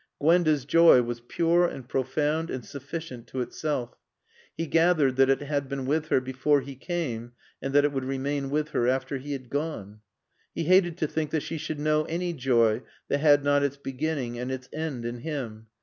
Gwenda's joy was pure and profound and sufficient to itself. He gathered that it had been with her before he came and that it would remain with her after he had gone. He hated to think that she should know any joy that had not its beginning and its end in him.